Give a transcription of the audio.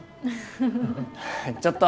ちょっと。